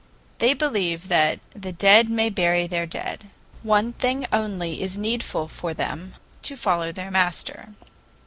They believe that "the dead may bury their dead." One thing only is needful for them, "to follow their Master."